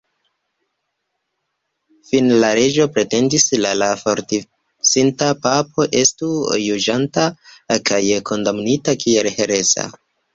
Fine la reĝo pretendis la la forpasinta papo estu juĝata kaj kondamnita kiel hereza.